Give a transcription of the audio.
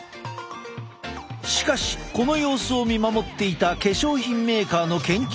しかしこの様子を見守っていた化粧品メーカーの研究員たちは。